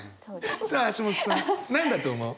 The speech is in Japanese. さあ橋本さん何だと思う？